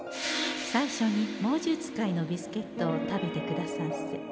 最初に猛獣使いのビスケットを食べてくださんせ。